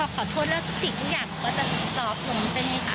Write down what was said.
ขอโทษแล้วทุกอย่างก็จะงุ่มนะฮะ